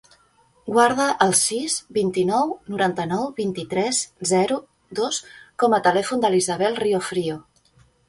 Guarda el sis, vint-i-nou, noranta-nou, vint-i-tres, zero, dos com a telèfon de l'Isabel Riofrio.